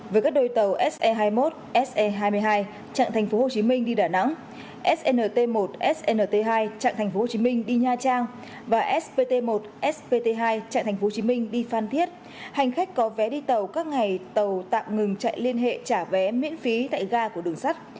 với các đôi tàu se hai mươi một se hai mươi hai chặng tp hcm đi đà nẵng snt một snt hai chặng tp hcm đi nha trang và spt một spt hai chạy tp hcm đi phan thiết hành khách có vé đi tàu các ngày tàu tạm ngừng chạy liên hệ trả vé miễn phí tại ga của đường sắt